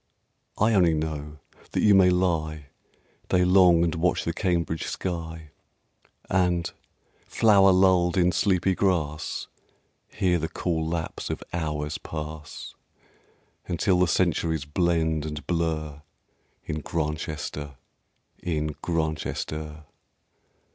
I only know that you may lie Day long and watch the Cambridge sky, And, flower lulled in sleepy grass, Hear the cool lapse of hours pass, Until the centuries blend and blur In Grantchester, in Grantchester....